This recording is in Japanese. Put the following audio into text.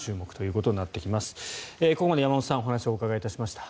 ここまで山本さんお話をお伺いしました。